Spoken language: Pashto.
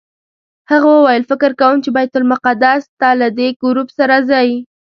هغه وویل فکر کوم چې بیت المقدس ته له دې ګروپ سره ځئ.